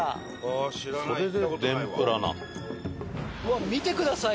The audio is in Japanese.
うわっ見てください！